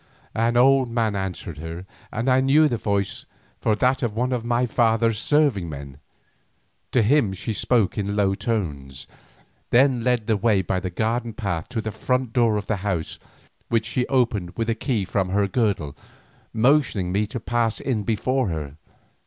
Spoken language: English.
An old man answered her, and I knew the voice for that of one of my father's serving men. To him she spoke in low tones, then led the way by the garden path to the front door of the house, which she opened with a key from her girdle, motioning to me to pass in before her.